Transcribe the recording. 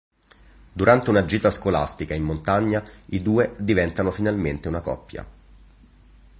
Durante una gita scolastica in montagna i due diventano finalmente una coppia.